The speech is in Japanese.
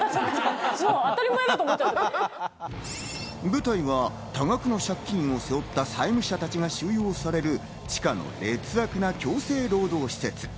舞台は多額の借金を背負った債務者たちが収容される地下の劣悪強制労働施設。